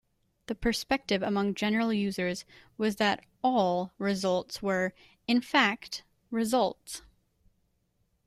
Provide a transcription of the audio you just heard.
The perspective among general users was that "all" results were, in fact, "results.